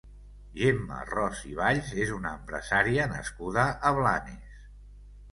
Gemma Ros i Valls és una empresària nascuda a Blanes.